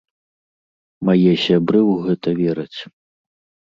Мае сябры ў гэта вераць.